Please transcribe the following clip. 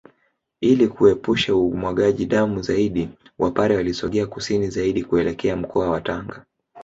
Ili kuepusha umwagaji damu zaidi Wapare walisogea kusini zaidi kuelekea mkoa wa Tanga